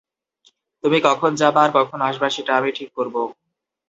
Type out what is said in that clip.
তুমি কখন যাবা আর কখন আসবা সেটা আমি ঠিক করবো।